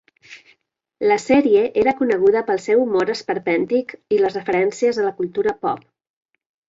La sèrie era coneguda pel seu humor esperpèntic i les referències a la cultura pop.